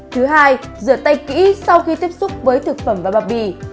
thứ hai rửa tay kỹ sau khi tiếp xúc với thực phẩm và bao bì